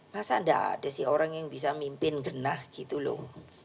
masa nggak ada sih orang yang bisa mimpin genah gitu loh